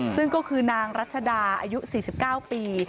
ซึ่งก็คือนางรัชดาอายุ๔๙ปี